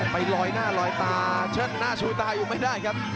ไปลอยหน้าลอยตาเชิดหน้าชูตาอยู่ไม่ได้ครับ